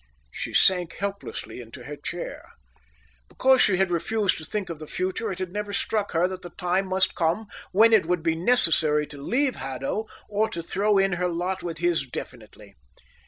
She sank helplessly into her chair. Because she had refused to think of the future, it had never struck her that the time must come when it would be necessary to leave Haddo or to throw in her lot with his definitely.